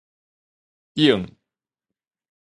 往